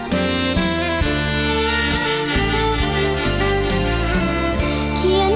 เพื่อรักกับช่วงจริง